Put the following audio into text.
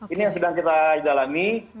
ini yang sedang kita jalani